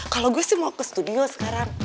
kalau gue sih mau ke studio sekarang